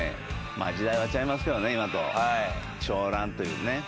まあ時代はちゃいますけどね今と。長ランというね。